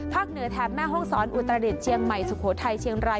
เหนือแถบแม่ห้องศรอุตรดิษฐ์เชียงใหม่สุโขทัยเชียงราย